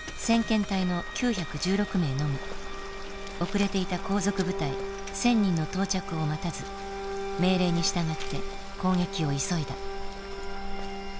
遅れていた後続部隊１，０００人の到着を待たず命令に従って攻撃を急いだ。